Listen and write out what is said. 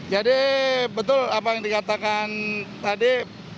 jadi betul apa yang dikatakan tadi